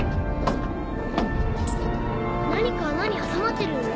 何か穴に挟まってるよ。